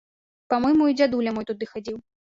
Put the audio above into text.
Па-мойму, і дзядуля мой тады хадзіў.